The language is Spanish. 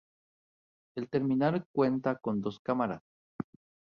El terminal cuenta con dos cámaras.